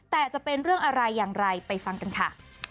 แต่จะเป็นเรื่องอะไรอย่างไรไปฟังกันค่ะ